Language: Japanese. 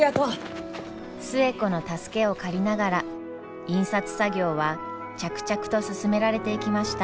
寿恵子の助けを借りながら印刷作業は着々と進められていきました。